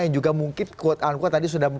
yang juga mungkin quote unquote tadi sudah